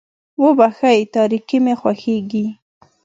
وبښئ تاريکي مې خوښېږي.